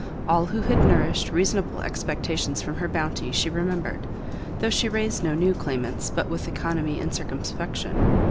All who had nourished reasonable expectations from her bounty she remembered, though she raised no new claimants but with oeconomy and circumspection.